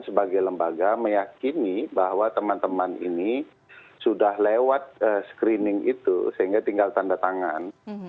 sebagai lembaga meyakini bahwa teman teman ini sudah lewat screening itu sehingga tinggal tanda tangan